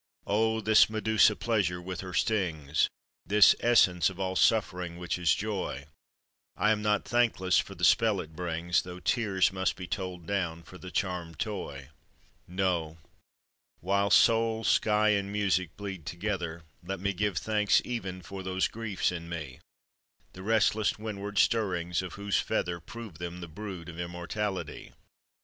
Oh, this Medusa pleasure with her stings! This essence of all suffering, which is joy! I am not thankless for the spell it brings, Though tears must be told down for the charmed toy. No; while soul, sky, and music bleed together, Let me give thanks even for those griefs in me, The restless windward stirrings of whose feather Prove them the brood of immortality.